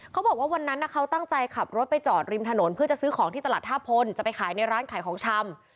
เขาบอกว่าวันนั้นเขาตั้งใจขับรถไปจอดริมถนนเพื่อจะซื้อของที่ตลาดท่าพลจะไปขายในร้านขายของชำ